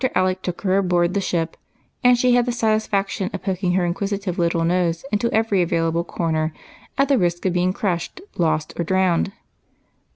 Alec took her aboard the ship, and she had the satisfaction of poking her inquisitive little nose into every available corner, at the risk of being crushed, lost, or drowned.